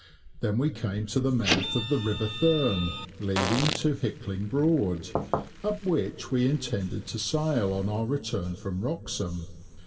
Then we came to the mouth of the river Thurne, leading to Hickling Broad, up which we intended to sail on our return from Wroxham.